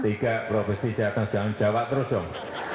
tiga provinsi jawa tengah jawa terus dong